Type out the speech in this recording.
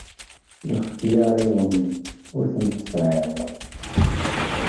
Lxetyar-iḍen ur t-tesεiḍ.